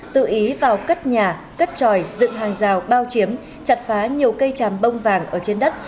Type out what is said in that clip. tự ý vào cất nhà cất tròi dựng hàng rào bao chiếm chặt phá nhiều cây tràm bông vàng ở trên đất